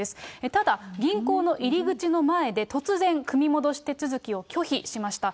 ただ、銀行の入り口の前で、突然、組み戻し手続きを拒否しました。